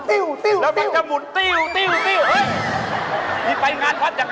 ไม่ไปงานพัดกับใครหนูบ้าว